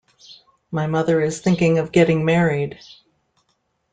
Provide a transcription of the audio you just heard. My mother is thinking of getting married.